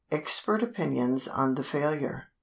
_Expert Opinions on the Failure.